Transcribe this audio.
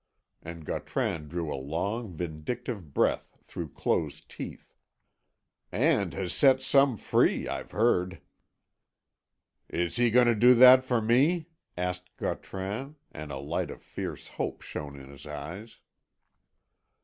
and Gautran drew a long vindictive breath through closed teeth. "And has set some free, I've heard." "Is he going to do that for me?" asked Gautran, and a light of fierce hope shone in his eyes.